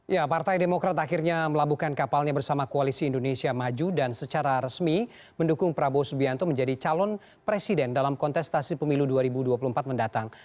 ya partai demokrat akhirnya melabuhkan kapalnya bersama koalisi indonesia maju dan secara resmi mendukung prabowo subianto menjadi calon presiden dalam kontestasi pemilu dua ribu dua puluh empat mendatang